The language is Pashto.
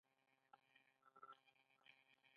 د غوربند پۀ ډهيرۍ کلي کښې پيدا شو ۔